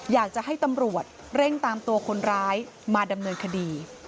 อยากจะให้ตำรวจเร่งตามตัวคนร้ายมาดำเนินคดี